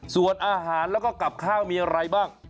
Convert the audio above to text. ส่วนอาหารแล้วก็กับข้าวมีอะไรบ้าง